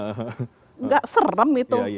tidak serem itu